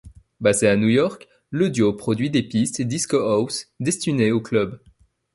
Basé à New York, le duo produit des pistes disco house destinés aux club.